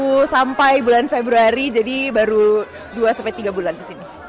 baru sampai bulan februari jadi baru dua tiga bulan kesini